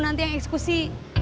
nanti yang eksekusi